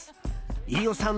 飯尾さん